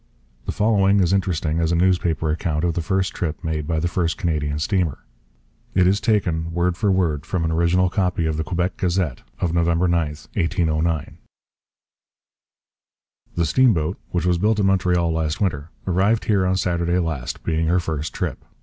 The following is interesting as a newspaper account of the first trip made by the first Canadian steamer. It is taken, word for word, from an original copy of the Quebec Gazette of November 9, 1809. The Steam Boat, which was built at Montreal last winter, arrived here on Saturday last, being her first trip.